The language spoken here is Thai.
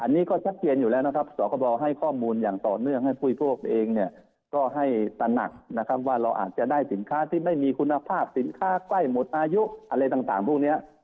อันนี้ก็ชัดเจนอยู่แล้วนะครับสคบให้ข้อมูลอย่างต่อเนื่องให้ผู้บริโภคเองเนี่ยก็ให้ตระหนักนะครับว่าเราอาจจะได้สินค้าที่ไม่มีคุณภาพสินค้าใกล้หมดอายุอะไรต่างพวกนี้